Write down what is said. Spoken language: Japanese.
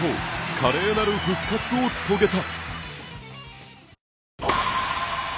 華麗なる復活を遂げた。